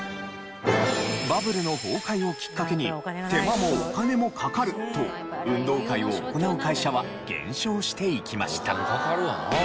バブルの崩壊をきっかけに手間もお金もかかると運動会を行う会社は減少していきました。